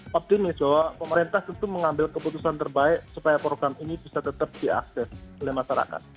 optimis bahwa pemerintah tentu mengambil keputusan terbaik supaya program ini bisa tetap diakses oleh masyarakat